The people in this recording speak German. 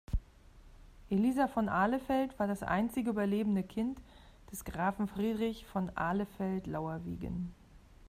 Elisa von Ahlefeldt war das einzige überlebende Kind des Grafen Friedrich von Ahlefeldt-Laurvigen.